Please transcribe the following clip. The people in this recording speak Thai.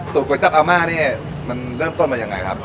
ก๋วยจับอาม่านี่มันเริ่มต้นมายังไงครับ